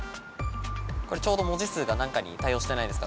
これちょうど文字数が何かに対応してないですか？